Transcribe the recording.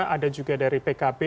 ada juga dari pkp